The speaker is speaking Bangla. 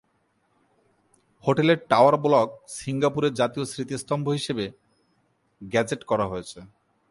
হোটেলের টাওয়ার ব্লক সিঙ্গাপুরের জাতীয় স্মৃতিস্তম্ভ হিসাবে গেজেট করা হয়েছে।